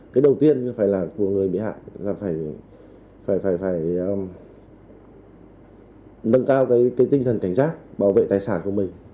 cái đầu tiên phải là của người bị hại là phải nâng cao cái tinh thần cảnh giác bảo vệ tài sản của mình